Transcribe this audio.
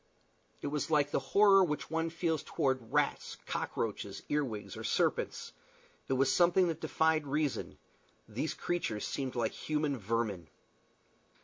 It was like the horror which one feels toward rats, cockroaches, earwigs, or serpents. It was something that defied reason. These creatures seemed like human vermin.